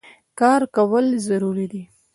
کار کول ضروري دی.